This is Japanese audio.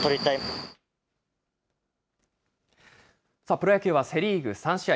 プロ野球はセ・リーグ３試合。